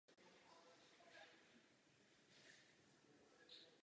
Po získání lékařského titulu pracoval Moody jako soudní lékař ve státní nemocnici v Georgii.